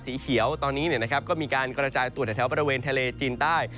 สีเขียวตอนนี้ก็มีการกระจายตัวแถวบริเวณทะเลจีนใต้